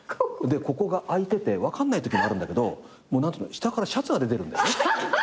ここが開いてて分かんないときもあるんだけど下からシャツが出てるんだよね。